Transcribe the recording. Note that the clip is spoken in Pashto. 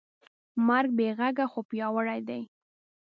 مرګ بېغږه خو پیاوړی دی.